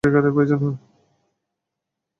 সব নিউক্লিয়ার মিসাইলের, ট্রিগারের প্রয়োজন।